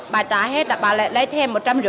bà trả hết là bà lại lấy thêm